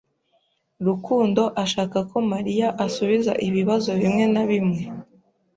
Rukundo ashaka ko Mariya asubiza ibibazo bimwe na bimwe.